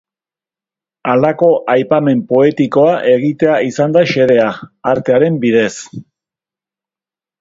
Halako aipamen poetikoa egitea izan da xedea, artearen bidez.